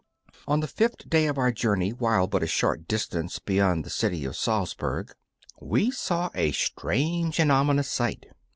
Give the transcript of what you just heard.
On the fifth day of our journey, while but a short distance beyond the city of Salzburg, we saw a strange and ominous sight.